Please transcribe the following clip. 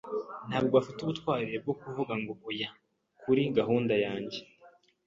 Ntabwo afite ubutwari bwo kuvuga ngo oya kuri gahunda yanjye.